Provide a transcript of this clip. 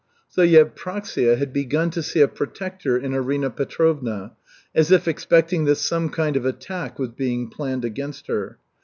So Yevpraksia had begun to see a protector in Arina Petrovna, as if expecting that some kind of attack was being planned against her.